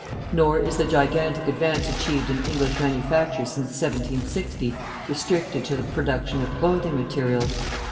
Nor is the gigantic advance achieved in English manufacture since 1760 restricted to the production of clothing materials.